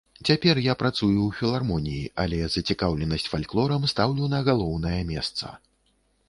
Цяпер я працую ў філармоніі, але зацікаўленасць фальклорам стаўлю на галоўнае месца.